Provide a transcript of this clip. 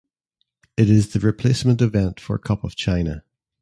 It is the replacement event for Cup of China.